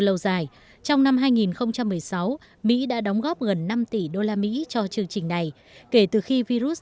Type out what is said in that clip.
lâu dài trong năm hai nghìn một mươi sáu mỹ đã đóng góp gần năm tỷ đô la mỹ cho chương trình này kể từ khi virus